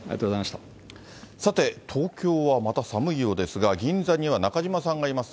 さて、東京はまた寒いようですが、銀座には中島さんがいます。